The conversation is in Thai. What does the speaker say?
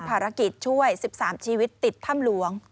ภารกิจช่วย๑๓ชีวิตติดถ้ำหลวง